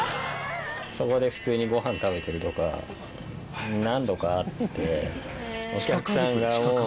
そこで普通にご飯食べてるとか何度かあって。